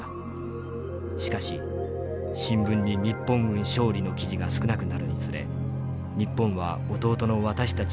しかし新聞に日本軍勝利の記事が少なくなるにつれ日本は弟の私たち